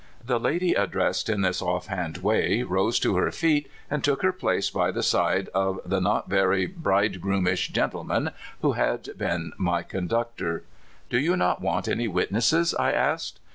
The lady addressed in this offhand way rose to her feet and took her place by the side of the not very bridegroomish gentleman who had been my conductor. " Do you not want any witnesses?" I asked.